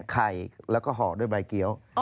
ไข่แล้วก็ห่อด้วยใบเกี้ยว